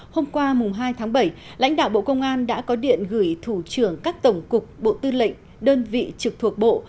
hôm qua hai tháng bảy lãnh đạo bộ công an đã có điện gửi thủ trưởng các tổng cục bộ tư lệnh đơn vị trực thuộc bộ